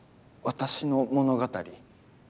私の物語？